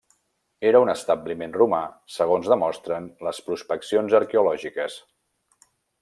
Era un establiment romà segons demostren les prospeccions arqueològiques.